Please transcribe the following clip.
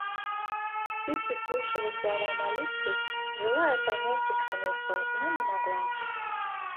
Кити слушала слова молитвы, желая понять их смысл, но не могла.